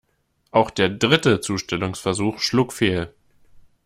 Auch der dritte Zustellungsversuch schlug fehl.